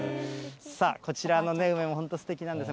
さあ、こちらの梅も本当すてきなんです。